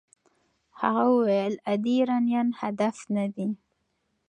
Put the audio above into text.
هغه وویل عادي ایرانیان هدف نه دي.